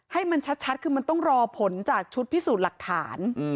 ให้มันชัดคือมันต้องรอผลจากชุดพิสูจน์หลักฐาน